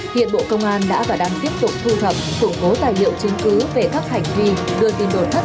hiện bộ công an đã và đang tiếp tục thu thập củng cố tài liệu chứng cứ về các hành vi đưa tin đột thất